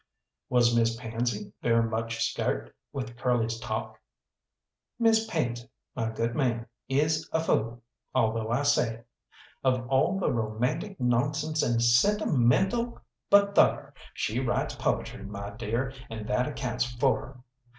"Was Miss Pansy very much scart with Curly's talk?" "Miss Pansy, my good man, is a fool, although I say it. Of all the romantic nonsense and sentimental but thar, she writes poetry, my dear, and that accounts for her.